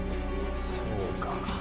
そうか。